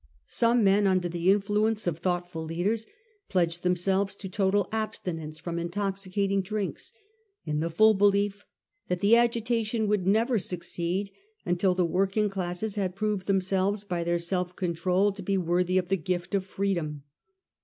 Some men under the influence of thoughtful leaders pledged themselves to total abstinence from intoxicating drinks, in the full belief that the agitation would never succeed until the working classes had proved themselves by their self control to be worthy of the gift of freedom.